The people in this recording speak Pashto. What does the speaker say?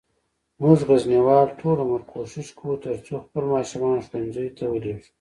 مونږه غزنیوال ټول عمر کوښښ کووه ترڅوخپل ماشومان ښوونځیوته ولیږو